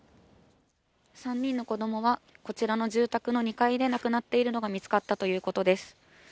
３人の子どもは、こちらの住宅の２階で亡くなっているのが見つかったということです。